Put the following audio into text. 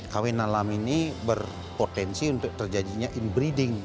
kawin alam ini berpotensi untuk terjadinya inbreeding